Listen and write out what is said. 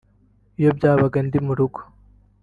iyo byabaga ndi mu rugo